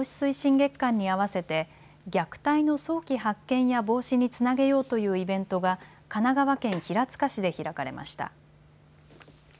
月間に合わせて虐待の早期発見や防止につなげようというイベントが神奈川県平塚市で開かれました。